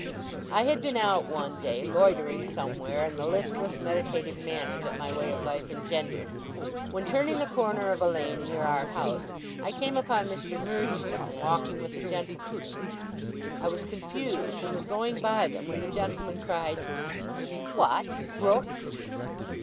I had been out, one day, loitering somewhere, in the listless, meditative manner that my way of life engendered, when, turning the corner of a lane near our house, I came upon Mr. Murdstone walking with a gentleman. I was confused, and was going by them, when the gentleman cried: 'What! Brooks!